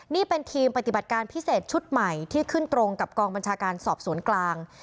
นี่เป็นทีมปฏิบัติการพิเศษชุดใหม่ที่ขึ้นตรงกับกองบัญชาการสอบสวนกลาง